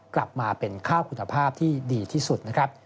กลับมาเป็นข้าวคุณภาพที่ดีที่สุดนะครับ